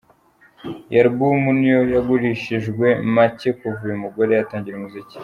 Iyi album niyo yagurishijwe make kuva uyu mugore yatangira umuziki.